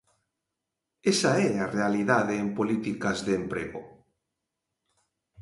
Esa é a realidade en políticas de emprego.